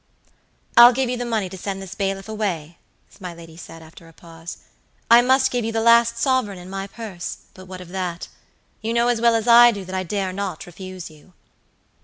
"I'll give you the money to send this bailiff away," my lady said, after a pause. "I must give you the last sovereign in my purse, but what of that? you know as well as I do that I dare not refuse you."